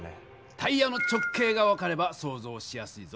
タイヤの直径が分かればそうぞうしやすいぞ。